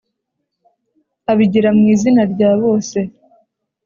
Abigira mu izina rya bose